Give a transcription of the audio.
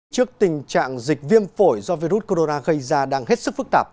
trước tình trạng dịch viêm phổi do virus corona gây ra đang hết sức phức tạp